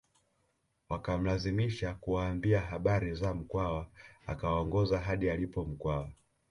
Wakamlazimisha kuwaambia habari za Mkwawa akawaongoza hadi alipo Mkwawa